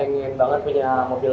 terus juga pengen banget punya mobil